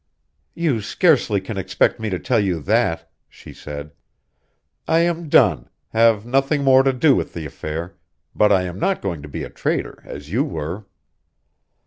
"You scarcely can expect me to tell you that," she said. "I am done have nothing more to do with the affair but I am not going to be a traitor, as you were!"